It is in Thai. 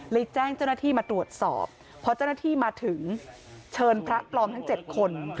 แจ้งเจ้าหน้าที่มาตรวจสอบพอเจ้าหน้าที่มาถึงเชิญพระปลอมทั้ง๗คน